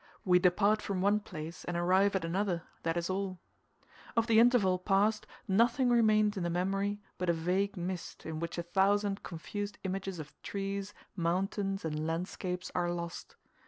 We depart from one place, and arrive at another, that is all. Of the interval passed, nothing remains in the memory but a vague mist in which a thousand confused images of trees, mountains, and landscapes are lost.